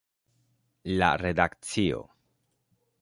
La redakcio.